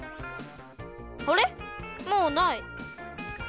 あれっもうない！